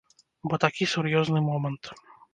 Бо такі сур'ёзны момант.